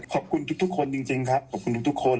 ขอบคุณทุกคนจริงครับขอบคุณทุกคน